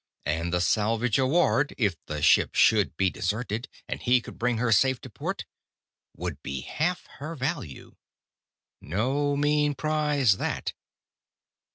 And the salvage award, if the ship should be deserted and he could bring her safe to port, would be half her value. No mean prize, that.